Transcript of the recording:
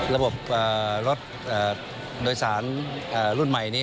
ระบบรถโดยสารรุ่นใหม่นี้